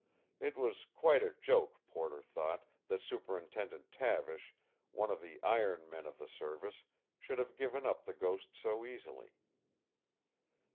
It was quite a joke, Porter thought, that Superintendent Tavish, one of the iron men of the service, should have given up the ghost so easily.